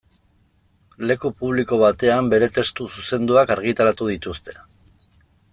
Leku publiko batean bere testu zuzenduak argitaratu dituzte.